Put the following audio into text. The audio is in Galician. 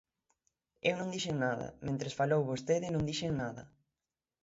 Eu non dixen nada, mentres falou vostede non dixen nada.